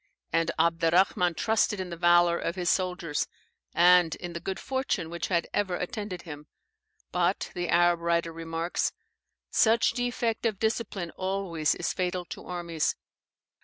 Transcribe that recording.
And Abderrahman trusted in the valour of his soldiers, and in the good fortune which had ever attended him. But (the Arab writer remarks) such defect of discipline always is fatal to armies.